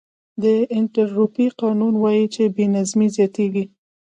د انټروپي قانون وایي چې بې نظمي زیاتېږي.